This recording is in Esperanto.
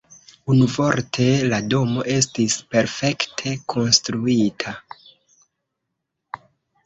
Unuvorte la domo estis perfekte konstruita.